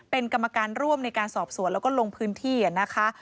เป็นกรรมการร่วมในการสอบสวนแล้วก็ลงพื้นที่นะคะ